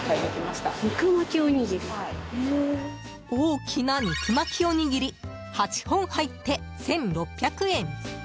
大きな肉巻おにぎり８本入って１６００円。